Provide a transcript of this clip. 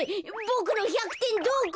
ボクの１００てんどこ？